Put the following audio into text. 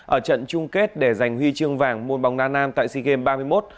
ở trận chung kết để giành huy chương vàng môn bóng đa nam tại sea games ba mươi một